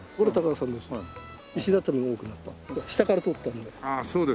下から撮ったので。